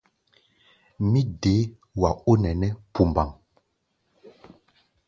Mí dee wá̧á̧-ɔ-nɛnɛ́ pumbaŋ.